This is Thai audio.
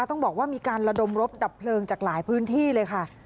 ต้องบอกว่ามีการระดมรถดับเพลิงจากหลายพื้นที่เลยค่ะ